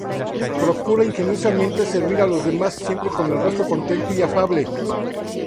Procuraba ingeniosamente servir a las demás, siempre con el rostro contento y afable.